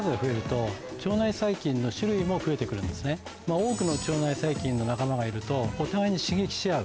多くの腸内細菌の仲間がいるとお互いに刺激し合う。